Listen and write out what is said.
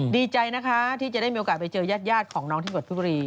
ดีใจนะคะที่จะได้มีโอกาสไปเจอยาดของน้องที่บทบุรี